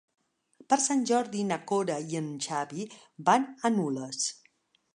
Per Sant Jordi na Cora i en Xavi van a Nules.